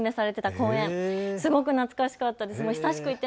すごく懐かしかったです。